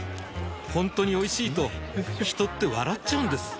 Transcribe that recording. ほんとにおいしいと人って笑っちゃうんです